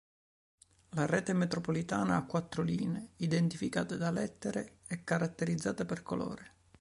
La rete metropolitana ha quattro linee, identificate da lettere e caratterizzate per colore.